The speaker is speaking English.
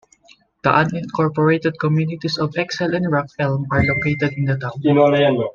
The unincorporated communities of Exile and Rock Elm are located in the town.